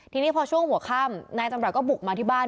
ทีนี้พอช่วงหัวค่ำนายจำรัฐก็บุกมาที่บ้าน